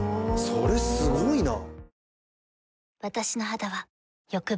それすごいな。